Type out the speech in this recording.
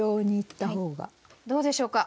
どうでしょうか。